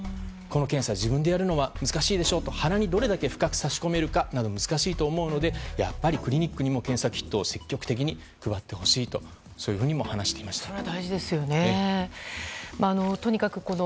この検査、自分でやるのは難しいでしょうと、鼻にどれだけ深く差し込めるかなど、難しいと思うので、やっぱりクリニックにも検査キットを積極的に配ってほしいと、そういうふうにも話していました。